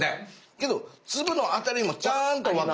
けど粒のあたりもちゃんとわかる。